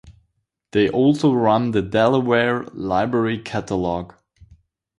They also run the Delaware Library Catalog.